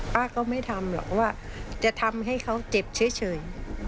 ก็ไม่ทำหรอกว่าจะทำให้เขาเจ็บเฉย